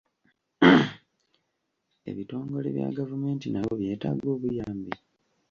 Ebitongole bya gavumenti nabyo byetaaga obuyambi?